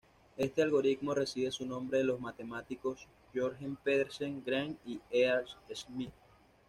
Este algoritmo recibe su nombre de los matemáticos Jørgen Pedersen Gram y Erhard Schmidt.